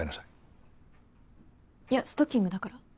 いやストッキングだから。